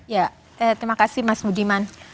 ya terima kasih mas budiman